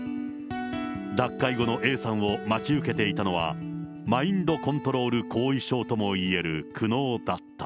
脱会後のＡさんを待ち受けていたのは、マインドコントロール後遺症ともいえる苦悩だった。